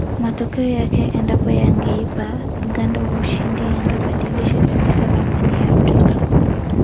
Matokeo yake endapo yangeipa Uganda ushindi yangebadilisha kabisa ramani ya afrika